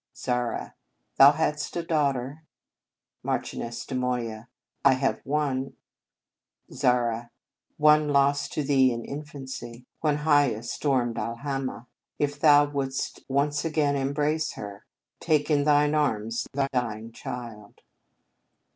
Zara. Thou hadst a daughter? Marchioness de Moya. I have one. Zara. One lost to thee in infancy, 66 The Convent Stage when Hiaya stormed Alhama. If thou wouldst once again embrace her, take in thine arms thy dying child.